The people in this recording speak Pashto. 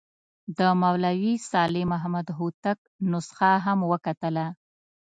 د مولوي صالح محمد هوتک نسخه هم وکتله.